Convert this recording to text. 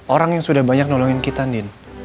orang yang sudah banyak nolongin kita nih